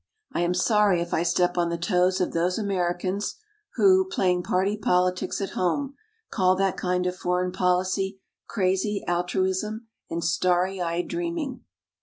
I am sorry if I step on the toes of those Americans who, playing party politics at home, call that kind of foreign policy "crazy altruism "and "starry eyed dreaming."